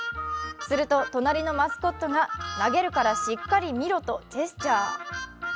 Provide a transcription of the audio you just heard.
すると隣のマスコットが投げるからしっかり見ろとジェスチャー。